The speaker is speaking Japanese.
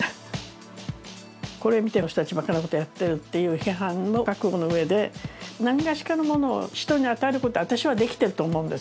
これを見てる人たち、あの人たちばかなことやってるって、批判も覚悟のうえで、何がしかのものを人に与えることを私はできていると思うんです。